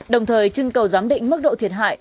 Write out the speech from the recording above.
đồng thời chưng cầu giám định mức độ thiệt hại